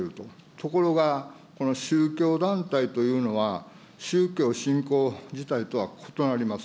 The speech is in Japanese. ところが、この宗教団体というのは、宗教、信仰自体とは異なります。